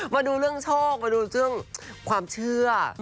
มาดูเรื่องโชคมาดูเรื่องความเชื่อ